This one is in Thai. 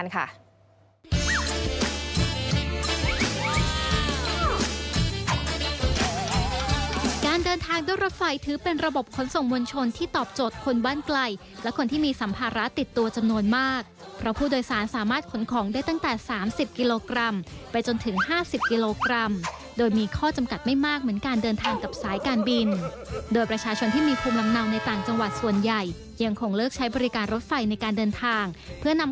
กลับไปติดตามจากรายงานค่ะ